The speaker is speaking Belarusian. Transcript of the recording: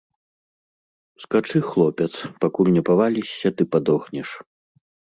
Скачы, хлопец, пакуль не павалішся ды падохнеш.